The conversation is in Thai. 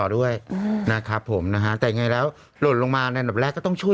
ด้วยนะครับผมนะฮะแต่ยังไงแล้วโดดลงมาแบบแรกก็ต้องช่วย